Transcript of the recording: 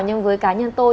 nhưng với cá nhân tôi